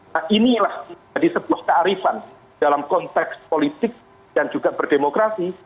nah inilah jadi sebuah kearifan dalam konteks politik dan juga berdemokrasi